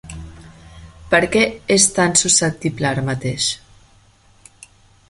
Per què és tan susceptible ara mateix?